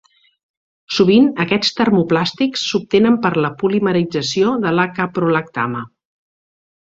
Sovint, aquests termoplàstics s'obtenen per la polimerització de la caprolactama.